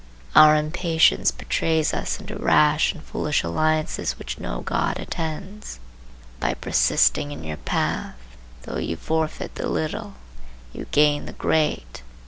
Our impatience betrays us into rash and foolish alliances which no god attends. By persisting in your path, though you forfeit the little you gain the great.